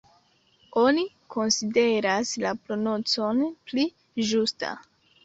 Oni konsideras la prononcon pli ĝusta.